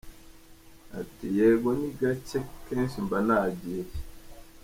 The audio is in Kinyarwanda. Ati “Yego ni gacye, kenshi mbanagiye.